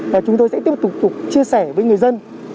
và chúng tôi sẽ tiếp tục chia sẻ với người dân